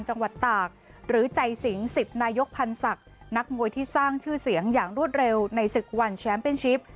จังหวัดตากหรือใจสิง๑๐นายกพันธ์ศักดิ์นักมวยที่สร้างชื่อเสียงอย่างรวดเร็วในศึกวันแชมป์เป็นชิป